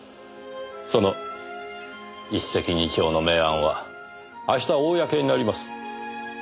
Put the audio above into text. その一石二鳥の名案は明日公になります。